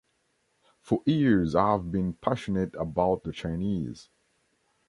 For years I have been passionate about the Chinese.